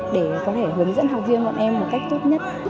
để có thể hướng dẫn học viên bọn em một cách tốt nhất